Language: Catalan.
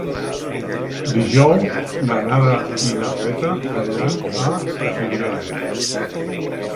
Dijous na Nara i na Greta aniran a Xirivella.